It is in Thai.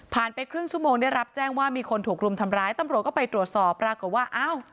ไปครึ่งชั่วโมงได้รับแจ้งว่ามีคนถูกรุมทำร้ายตำรวจก็ไปตรวจสอบปรากฏว่าอ้าว